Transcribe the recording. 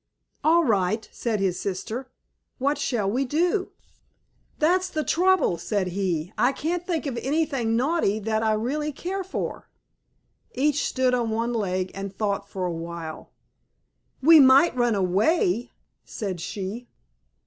"All right," said his sister. "What shall we do?" "That's the trouble," said he. "I can't think of anything naughty that I really care for." Each stood on one leg and thought for a while. "We might run away," said she.